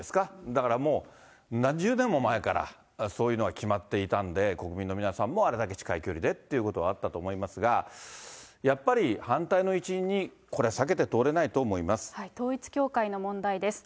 だからもう、何十年も前からそういうのは決まっていたんで、国民の皆さんもあれだけ近い距離でということもあったと思いますが、やっぱり反対の一因にこれ、統一教会の問題です。